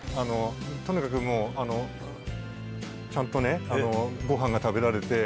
とにかくちゃんとねごはんが食べられて。